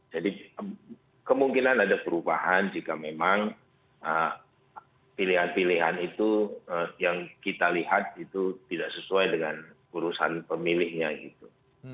jadi kemungkinan ada perubahan jika memang pilihan pilihan itu yang kita lihat itu tidak sesuai dengan urusan pemilihnya gitu